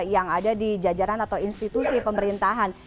yang ada di jajaran atau institusi pemerintahan